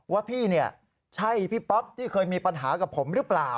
ว่าพี่เนี่ยใช่พี่ป๊อปที่เคยมีปัญหากับผมหรือเปล่า